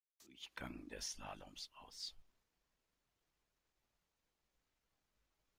Durchgang des Slaloms aus.